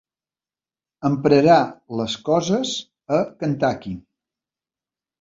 Emprarà les coses a Kentucky.